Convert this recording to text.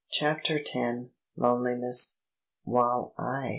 CHAPTER X LONELINESS "While I!